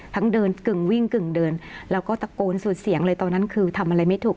เดินกึ่งวิ่งกึ่งเดินแล้วก็ตะโกนสุดเสียงเลยตอนนั้นคือทำอะไรไม่ถูก